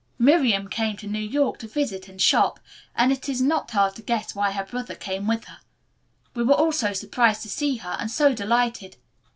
Miriam came to New York to visit and shop, and it is not hard to guess why her brother came with her. We were all so surprised to see her, and so delighted.